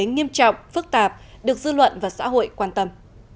nghiêm trọng phức tạp được dư luận và xã hội quan tâm